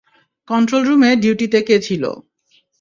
কন্ট্রোল-রুমে ডিউটিতে কে ছিলো?